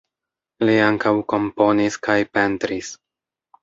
Li ankaŭ komponis kaj pentris.